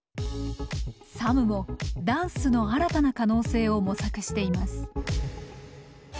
ＳＡＭもダンスの新たな可能性を模索しています。